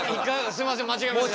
すいませんまちがえました。